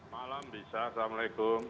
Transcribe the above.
malam bisa assalamualaikum